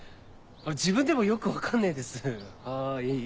自分でもよく分かんねえですはい。